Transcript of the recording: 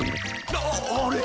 あっあれ？